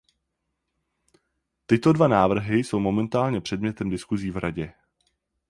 Tyto dva návrhy jsou momentálně předmětem diskuzí v Radě.